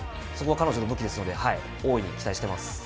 そこが彼女の武器ですので大いに期待しています。